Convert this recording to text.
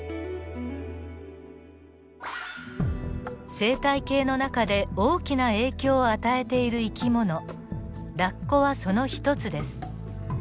生態系の中で大きな影響を与えている生き物ラッコはその一つです。